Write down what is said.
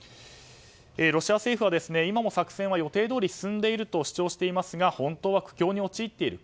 ロシア政府は今も作戦は予定どおり進んでいると主張していますが本当は苦境に陥っている。